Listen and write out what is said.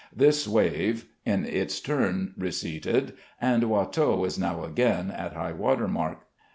This wave in its turn receded, and Watteau is now again at high water mark.